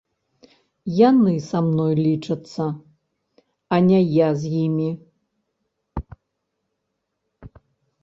Яны са мною лічацца, а не я з імі!